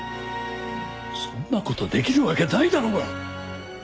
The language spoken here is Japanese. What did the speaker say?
そんな事できるわけないだろうが！